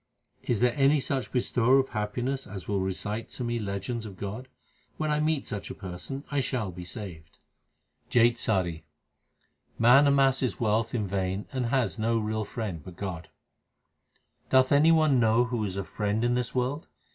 Is there any such bestower of happiness as will recite to me legends of God ? when I meet such a person I shall be saved. JAITSARI Man amasses wealth in vain and has no real friend but God : Doth any one know who is a friend in this world ?